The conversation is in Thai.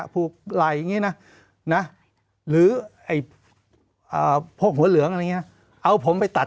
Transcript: พูกไหล่อย่างงี้นะ